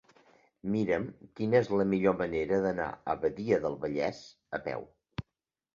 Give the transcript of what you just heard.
Mira'm quina és la millor manera d'anar a Badia del Vallès a peu.